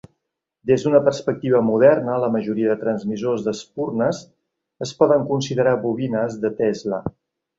Des d'una perspectiva moderna, la majoria de transmissors d'espurnes es poden considerar bobines de Tesla.